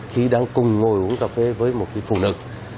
khi đang cùng ngồi uống cà phê với một phụ nữ